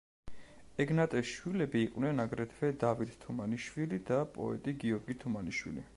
ეგნატეს შვილები იყვნენ აგრეთვე დავით თუმანიშვილი და პოეტი გიორგი თუმანიშვილი.